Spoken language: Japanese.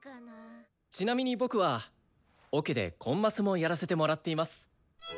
ちなみに僕はオケでコンマスもやらせてもらっています。